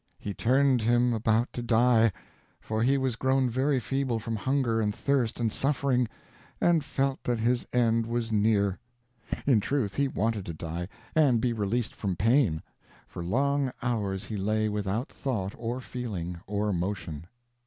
He turned him about to die; for he was grown very feeble from hunger and thirst and suffering, and felt that his end was near. In truth, he wanted to die, and be released from pain. For long hours he lay without thought or feeling or motion.